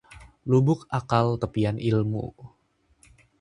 Lubuk akal tepian ilmu